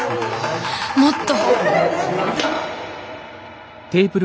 もっと！